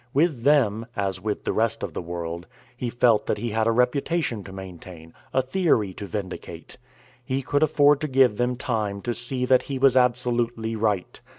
With them, as with the rest of the world, he felt that he had a reputation to maintain, a theory to vindicate. He could afford to give them time to see that he was absolutely right.